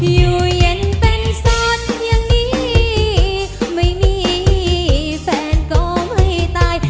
อยู่เย็นเป็นสดอย่างนี้ไม่มีแฟนก็ไม่ตาย